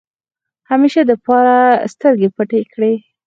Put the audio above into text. همېشه دپاره سترګې پټې کړې ۔